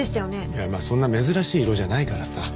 いやまあそんな珍しい色じゃないからさ。